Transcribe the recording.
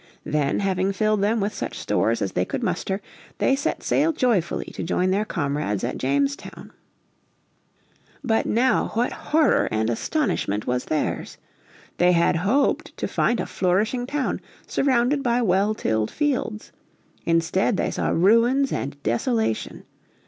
Then, having filled them with such stores as they could muster, they set sail joyfully to join their comrades at Jamestown. But now what horror and astonishment was theirs! They had hoped to find a flourishing town, surrounded by well tilled fields. Instead they saw ruins and desolation.